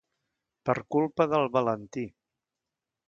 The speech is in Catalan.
Per culpa del Valentí.